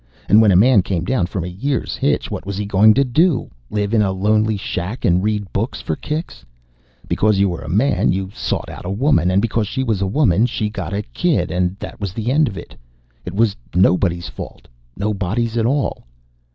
And when a man came down from a year's hitch, what was he going to do? Live in a lonely shack and read books for kicks? Because you were a man, you sought out a woman. And because she was a woman, she got a kid, and that was the end of it. It was nobody's fault, nobody's at all.